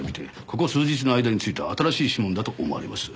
ここ数日の間に付いた新しい指紋だと思われます。